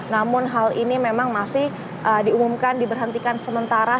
namun hal ini memang masih diumumkan diberhentikan sementara